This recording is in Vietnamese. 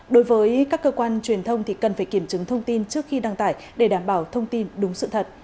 đối với các cơ quan truyền thông thì cần phải kiểm chứng thông tin trước khi đăng tải để đảm bảo thông tin đúng sự thật